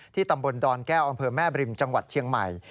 ที่ตำบลดอนแก้วอแม่บริมจังหวัดเชียงใหม่